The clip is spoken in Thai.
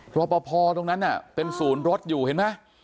เพราะประพอตรงนั้นน่ะเป็นศูนย์รถอยู่เห็นไหม